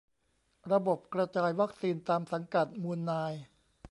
ระบบกระจายวัคซีนตามสังกัดมูลนาย